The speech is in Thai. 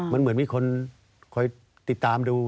มันเหมือนมีคนคอยติดตามดู